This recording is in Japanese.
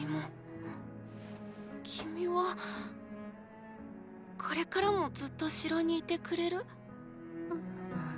君はこれからもずっと城にいてくれる？